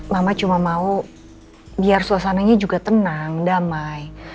mama cuma mau biar suasananya juga tenang damai